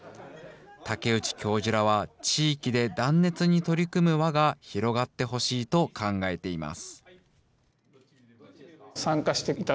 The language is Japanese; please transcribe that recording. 竹内教授らは地域で断熱に取り組む輪が広がってほしいと考えています。